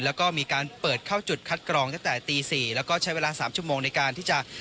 แล้วก็มีการเปิดเข้าจุดคัดกรองตั้งแต่ตี๔แล้วก็ใช้เวลา๓ชั่วโมงในการที่จะ